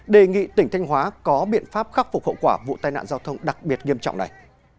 đề nghị tỉnh thanh hóa có biện pháp khắc phục hậu quả vụ tai nạn giao thông đặc biệt nghiêm trọng này